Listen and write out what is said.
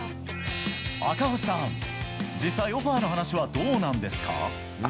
赤星さん、実際オファーの話はどうなんですか？